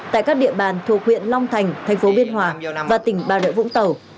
tại các địa bàn thuộc huyện long thành thành phố biên hòa và tỉnh ba rợi vũng tàu